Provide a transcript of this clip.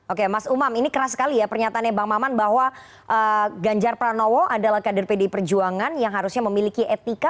oke mas umam ini keras sekali ya pernyataannya bang maman bahwa ganjar pranowo adalah kader pdi perjuangan yang harusnya memiliki etika